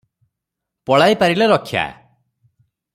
ପଳାଇପାରିଲେ ରକ୍ଷା ।